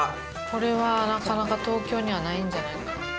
これはなかなか東京にはないんじゃないの？